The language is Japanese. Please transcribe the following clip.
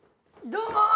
どうもー！